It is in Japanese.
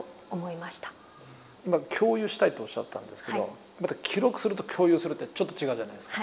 今「共有したい」っておっしゃったんですけど「記録する」と「共有する」ってちょっと違うじゃないですか。